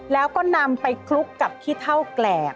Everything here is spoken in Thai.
แล้วก็นำไปคลุกกับขี้เท่าแกรบ